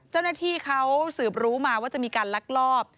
เจ้าหน้าที่เขาสืบรู้มาว่าจะมีการลักลอบ